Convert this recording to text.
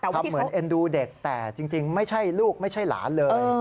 ทำเหมือนเอ็นดูเด็กแต่จริงไม่ใช่ลูกไม่ใช่หลานเลย